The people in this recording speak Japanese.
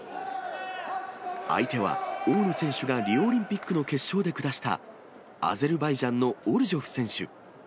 相手は、大野選手がリオオリンピックの決勝で下したアゼルバイジャンのオルジョフ選手。